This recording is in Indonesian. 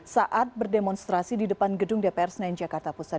saat berdemonstrasi di depan gedung dpr senayan jakarta pusat